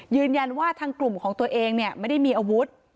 ยืนยันว่าทางกลุ่มของตัวเองไม่ได้มีอาวุธ